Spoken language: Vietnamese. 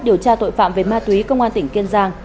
điều tra tội phạm về ma túy công an tỉnh kiên giang